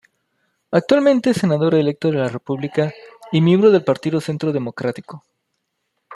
Actualmente es senador electo de la República y miembro del partido Centro Democrático.